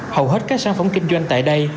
hầu hết các sản phẩm kinh doanh tại đây